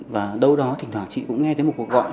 và đâu đó thỉnh thoảng chị cũng nghe thấy một cuộc gọi